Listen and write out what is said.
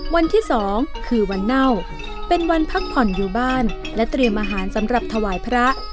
วันที่๒คือวันเน่าเป็นวันพักผ่อนอยู่บ้านและเตรียมอาหารสำหรับถวายพระ